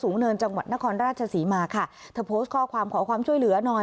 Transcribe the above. เนินจังหวัดนครราชศรีมาค่ะเธอโพสต์ข้อความขอความช่วยเหลือหน่อย